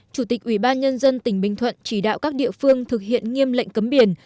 chủ tịch ubnd tỉnh bình thuận chỉ đạo các địa phương thực hiện nghiêm lệnh cấm biển